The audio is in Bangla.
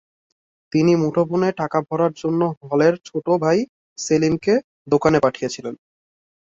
তিনি মুঠোফোনে টাকা ভরার জন্য হলের ছোট ভাই সেলিমকে দোকানে পাঠিয়েছিলেন।